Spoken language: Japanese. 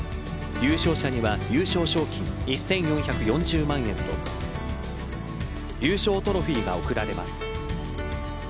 優勝者には優勝賞金１４４０万円と優勝トロフィーが贈られます。